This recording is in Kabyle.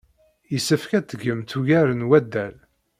Yessefk ad tgemt ugar n waddal.